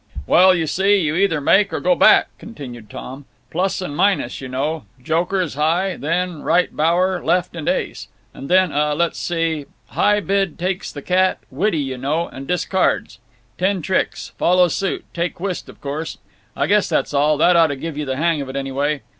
"Well, you see, you either make or go back," continued Tom. "Plus and minus, you know. Joker is high, then right bower, left, and ace. Then—uh—let's see; high bid takes the cat—widdie, you know—and discards. Ten tricks. Follow suit like whist, of course. I guess that's all—that ought to give you the hang of it, anyway.